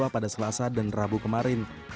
pada selasa dan rabu kemarin